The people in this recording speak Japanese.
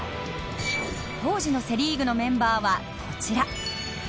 当時のセ・リーグのメンバーはこちら。